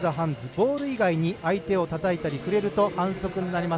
ボール以外に相手をたたいたり触れると反則になります。